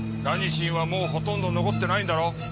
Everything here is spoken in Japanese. ラニシンはもうほとんど残ってないんだろう？